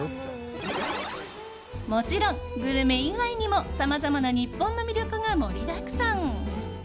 もちろん、グルメ以外にもさまざまな日本の魅力が盛りだくさん。